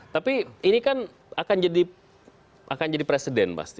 tapi ini kan akan jadi presiden pasti